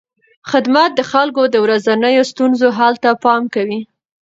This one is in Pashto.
خدمت د خلکو د ورځنیو ستونزو حل ته پام کوي.